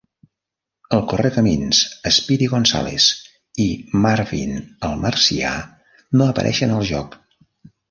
El Correcamins, Speedy Gonzales i Marvin el Marcià no apareixen al joc.